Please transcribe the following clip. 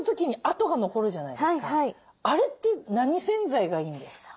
あれって何洗剤がいいんですか？